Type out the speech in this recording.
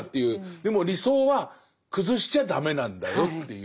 でも理想は崩しちゃ駄目なんだよっていう。